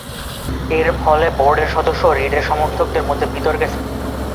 এর ফলে বোর্ডের সদস্য ও রিডের সমর্থকদের মধ্যে বিতর্কের সৃষ্টি হয়।